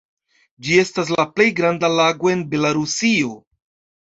Ĝi estas la plej granda lago en Belarusio.